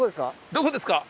どこですか？